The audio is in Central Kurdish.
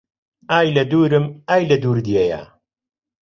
ئای لە دوورم ئای لە دوور دێیا